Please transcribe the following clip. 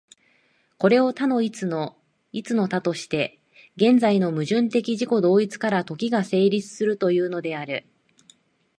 これを多の一、一の多として、現在の矛盾的自己同一から時が成立するというのである。